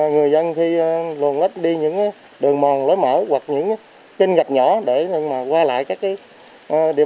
người dân thì luồn lách đi những đường mòn lối mở hoặc những kênh rạch nhỏ để qua lại các địa